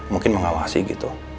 mungkin mengawasi gitu